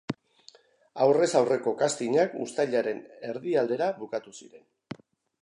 Aurrez aurreko castingak uztailaren erdialdera bukatu ziren.